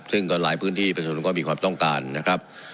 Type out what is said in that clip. ซึ่งก็หลายพื้นที่ประชาชนก็มีความต้องการนะครับ